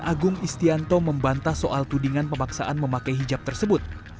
agung istianto membantah soal tudingan pemaksaan memakai hijab tersebut